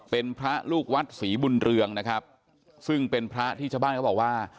เป็นพระลูกวัดศรีบุญเรืองนะครับซึ่งเป็นพระที่ชาวบ้านเขาบอกว่า